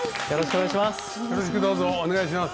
よろしくお願いします。